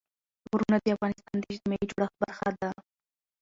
غرونه د افغانستان د اجتماعي جوړښت برخه ده.